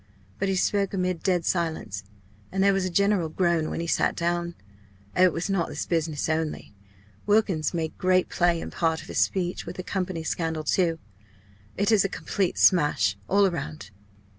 But he spoke amid dead silence, and there was a general groan when he sat down. Oh, it was not this business only! Wilkins made great play in part of his speech with the Company scandal too. It is a complete smash all round."